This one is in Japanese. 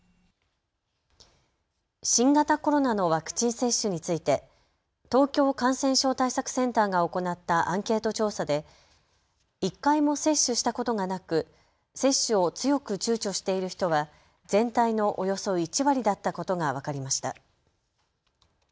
新型コロナのワクチン接種について東京感染症対策センターが行ったアンケート調査で１回も接種したことがなく接種を強くちゅうちょしている人は全体のおよそ１割だったことが分かりました。